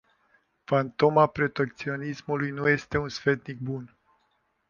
Fantoma protecționismului nu este un sfetnic bun!